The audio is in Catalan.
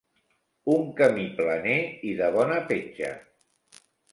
Un camí planer i de bona petja.